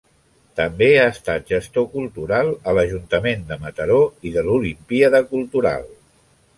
També ha estat gestor cultural a l'Ajuntament de Mataró i de l'Olimpíada Cultural.